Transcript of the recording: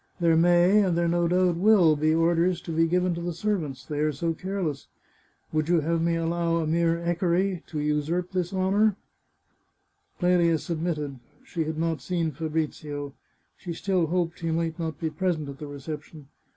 There may, and there no doubt will, be orders to be given to the servants — they are so care less. Would you have me allow a mere equerry to usurp this honour?" 497 The Chartreuse of Parma Clelia submitted. She had not seen Fabrizio. She still hoped he might not be present at the reception.